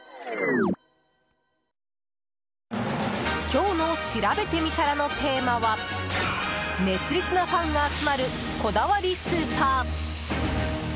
今日のしらべてみたらのテーマは熱烈なファンが集まるこだわりスーパー。